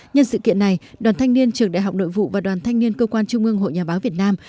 nhân sự kiện này đoàn thanh niên trường đại học nội vụ và đoàn thanh niên cơ quan trung ương hội nhà báo việt nam